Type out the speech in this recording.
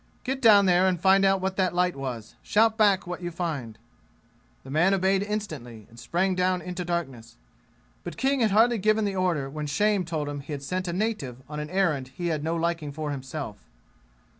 Get down there and find out what that light was. Shout back what you find!" The man obeyed instantly and sprang down into darkness. But King had hardly given the order when shame told him he had sent a native on an errand he had no liking for himself.